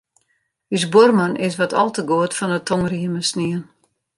Us buorman is wat al te goed fan 'e tongrieme snien.